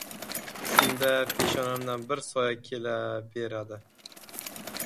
Shunda, peshonamdan bir soya kela beradi.